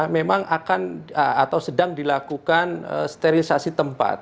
memang akan atau sedang dilakukan sterilisasi tempat